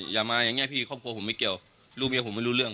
อย่ามาอย่างเงี้พี่ครอบครัวผมไม่เกี่ยวลูกเมียผมไม่รู้เรื่อง